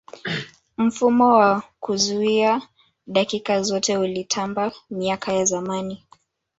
mfumo wa kuzuia dakika zote ulitamba miaka ya zamani